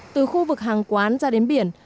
từ khu vực hàng quán ra đến biển